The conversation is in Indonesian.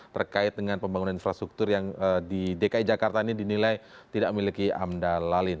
terkait dengan pembangunan infrastruktur yang di dki jakarta ini dinilai tidak memiliki amdal lalin